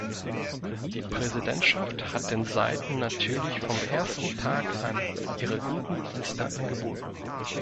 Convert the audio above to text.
Die Präsidentschaft hat den Seiten natürlich vom ersten Tag an ihre guten Dienste angeboten.